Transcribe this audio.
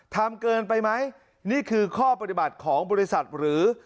ทำเกินไปไหมนี่คือข้อปฏิบัติของบริษัทหรือ